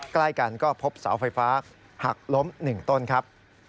ใกล้กันก็พบเสาไฟฟ้าหักล้ม๑ต้นครับ